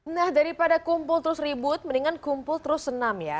nah daripada kumpul terus ribut mendingan kumpul terus senam ya